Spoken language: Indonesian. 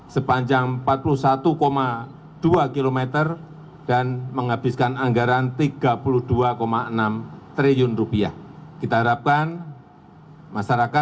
lrt jabodebek diharapkan dapat mengurangi kemacetan lalu lintas di jakarta